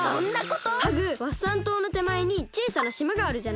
ハグワッサンとうのてまえにちいさなしまがあるじゃない？